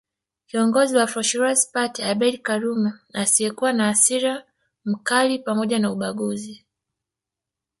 Kiongozi wa Afro Shirazi Party Abeid karume asiyekuwa na hasira mkali pzmoja na ubaguzi